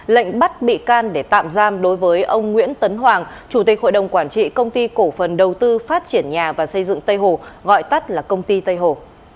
lệnh bắt bị can để tạm giam đối với ông nguyễn tấn hoàng chủ tịch hội đồng quản trị công ty cổ phần đầu tư phát triển nhà và xây dựng tây hồ gọi tắt là công ty tây hồ